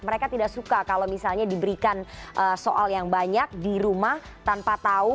mereka tidak suka kalau misalnya diberikan soal yang banyak di rumah tanpa tahu